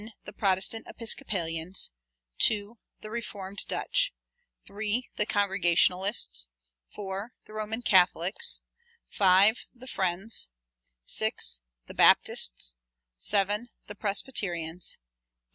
The Protestant Episcopalians; 2. The Reformed Dutch; 3. The Congregationalists; 4. The Roman Catholics; 5. The Friends; 6. The Baptists; 7. The Presbyterians; 8.